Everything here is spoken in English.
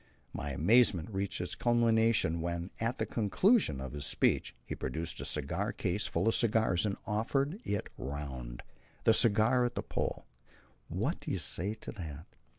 My amazement reached its culmination when, at the conclusion of his speech, he produced a cigar case full of cigars and offered it round. A cigar at the Pole! What do you say to that?